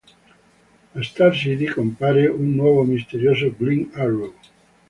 A Star City compare un nuovo misterioso Green Arrow.